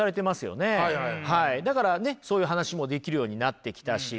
だからねそういう話もできるようになってきたし。